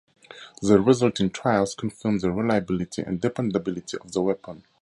The resulting trials confirmed the reliability and dependability of the weapon.